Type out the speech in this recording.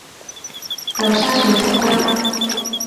豆沙水晶包